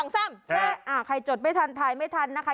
ใช่ใครจดไม่ทันถ่ายไม่ทันนะคะ